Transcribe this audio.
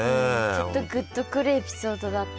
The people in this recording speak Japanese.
ちょっとグッとくるエピソードだった。